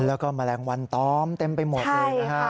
แล้วก็แมลงวันตอมเต็มไปหมดเลยนะฮะ